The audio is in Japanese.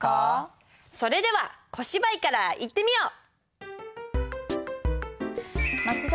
それでは小芝居からいってみよう！